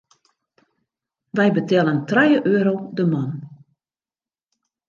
Wy betellen trije euro de man.